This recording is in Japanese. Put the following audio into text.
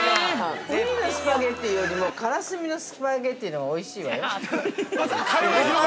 ◆ウニのスパゲッティよりもカラスミのスパゲッティのほうがおいしいわよ。